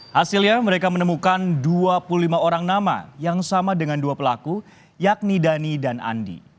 hasilnya mereka menemukan dua puluh lima orang nama yang sama dengan dua pelaku yakni dhani dan andi